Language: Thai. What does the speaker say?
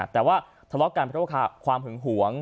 แต่ว่าทะเลาะกันโดยทุกครณ์ความหไมงหวง